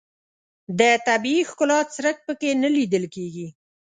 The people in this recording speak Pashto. د طبیعي ښکلا څرک په کې نه لیدل کېږي.